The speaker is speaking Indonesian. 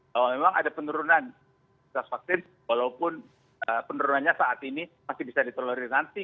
bahwa memang ada penurunan vaksin walaupun penurunannya saat ini masih bisa ditoleri nanti